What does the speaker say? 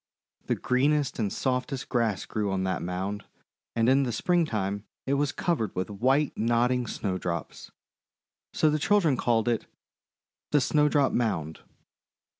The greenest and softest grass grew on that mound, and in the Springtime it was covered with white nodding Snowdrops. So the children called it 'The Snowdrop Mound."